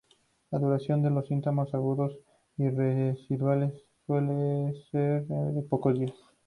La duración de los síntomas agudos y residuales suele ser de pocos días.